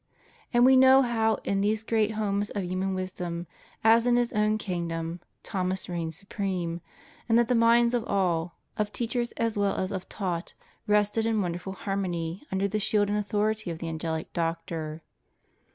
And we know how in those great homes of human wis dom, as in his own kingdom, Thomas reigned supreme; and that the minds of all, of teachers as well as of taught, rested in wonderful harmony under the shield and au thority of the Angelic Doctor.